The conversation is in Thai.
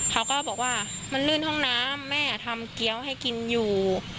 เขาก็บอกว่ามันลื่นห้องน้ำแม่ทำเกี้ยวให้กินอยู่